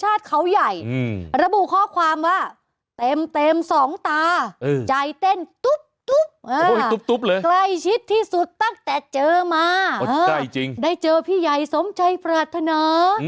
โอ๊ยตุ๊บเลยไกลชิดที่สุดตั้งแต่เจอมาได้เจอพี่ใหญ่สมใจปรรถนา